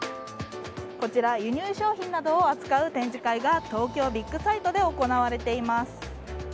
こちら輸入商品などを扱う展示会が東京ビッグサイトで行われています。